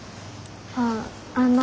あっあの。